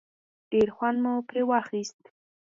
ډېر خوند مو پرې واخیست.